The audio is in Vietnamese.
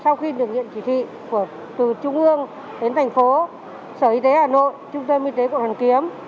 sau khi được nhận chỉ thị từ trung ương đến thành phố sở y tế hà nội trung tâm y tế cộng đồng kiếm